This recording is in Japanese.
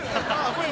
これ。